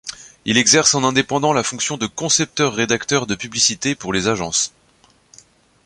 Il exerce en indépendant la fonction de concepteur-rédacteur de publicité pour les agences.